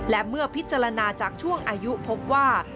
และเมื่อพิจารณาจากช่วงอายุพบว่า